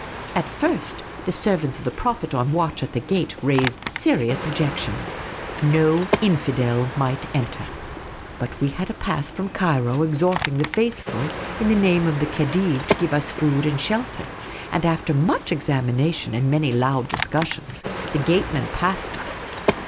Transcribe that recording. At first, the servants of tlie Prophet on watch at the gate raised serious objections. No infidel might enter. But we 196 Miss Cayley's Adventures had a p:iss from Cairo, exhorting the faithful iti the name of the Khedive to give us food and shelter ; and after much examination and many loud discussions, the gatemen passed us.